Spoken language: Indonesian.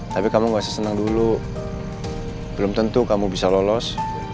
tapi kamu masih senang dulu belum tentu kamu bisa lolos